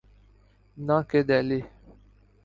نہ کہ دہلی۔